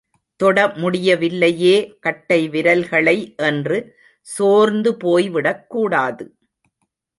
தொட முடியவில்லையே கட்டை விரல்களை என்று, சோர்ந்து போய்விடக்கூடாது.